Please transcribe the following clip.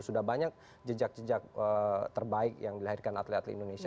sudah banyak jejak jejak terbaik yang dilahirkan atlet atlet indonesia